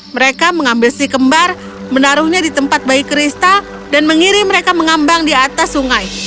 mereka mengambil si kembar menaruhnya di tempat bayi kristal dan mengirim mereka mengambang di atas sungai